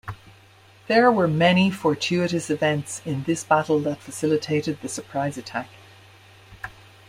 There were many fortuitous events in this battle that facilitated the surprise attack.